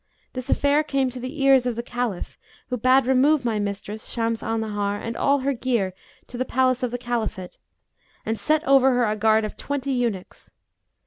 This affair came to the ears of the Caliph, who bade remove my mistress, Shams al Nahar, and all her gear to the palace of the Caliphate; and set over her a guard of twenty eunuchs.